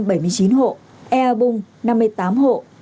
air bung năm mươi tám hộ